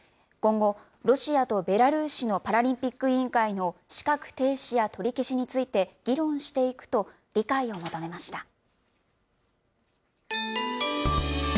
今後、ロシアとベラルーシのパラリンピック委員会の資格停止や取り消しについて議論していくと、理解を求めました。